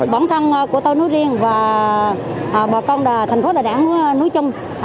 bản thân của tôi núi riêng và thành phố đà nẵng núi trung